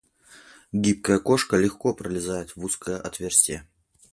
Гибкая кошка легко пролезает в узкое отверстие.